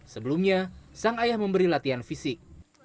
sebelumnya sang ayah memberi latihan fisik